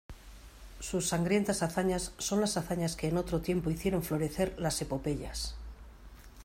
sus sangrientas hazañas son las hazañas que en otro tiempo hicieron florecer las epopeyas.